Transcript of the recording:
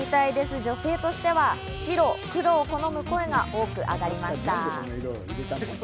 女性としては白黒を好む声が多くあがりました。